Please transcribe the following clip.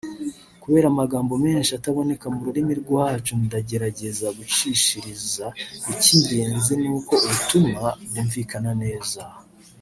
Kubera amagambo menshi ataboneka mu rurimi rwacu ndagerageza gucishiriza icy’ikingenzi nuko ubutumwa bwumvikana neza